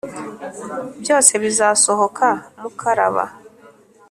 byose bizasohoka mukaraba